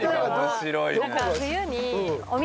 面白いね。